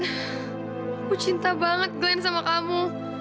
aku cinta banget grand sama kamu